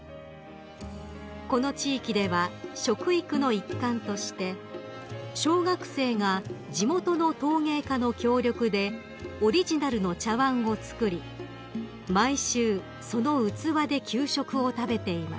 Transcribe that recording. ［この地域では食育の一環として小学生が地元の陶芸家の協力でオリジナルの茶わんを作り毎週その器で給食を食べています］